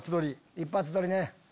一発撮りね。